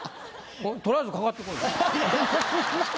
取りあえずかかってこい。